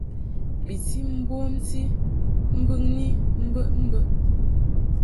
Bi ti bomti mbɨŋni mbəʼmbəʼ.